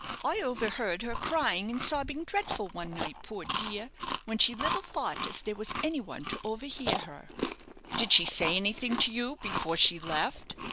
I overheard her crying and sobbing dreadful one night, poor dear, when she little thought as there was any one to overhear her." "Did she say anything to you before she left?"